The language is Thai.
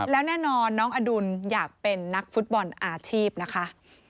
แล้วแน่นอนน้องอดุลอยากเป็นนักฟุตบอลอาชีพนะคะ